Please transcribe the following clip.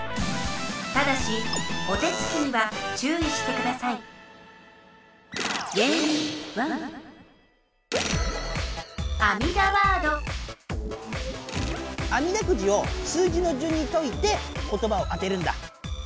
ただしお手つきにはちゅういしてくださいあみだくじを数字のじゅんにといて言葉を当てるんだ。